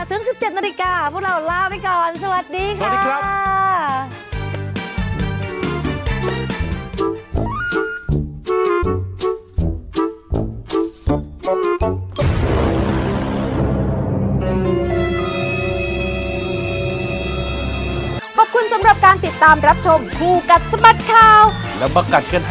๑๖นถึง๑๗นพวกเราลาไปก่อน